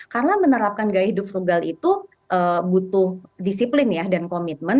karena menerapkan gaya hidup frugal itu butuh disiplin ya dan komitmen